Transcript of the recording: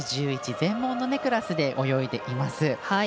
全盲のクラスで泳いでいます。